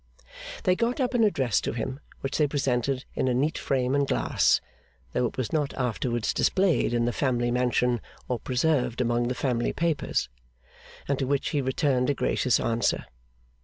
They got up an address to him, which they presented in a neat frame and glass (though it was not afterwards displayed in the family mansion or preserved among the family papers); and to which he returned a gracious answer.